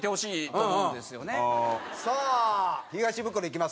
さあ東ブクロいきますか。